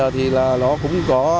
thì nó cũng có